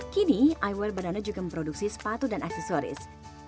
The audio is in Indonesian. kini i wear banana juga memproduksi sepatu dan aksesoris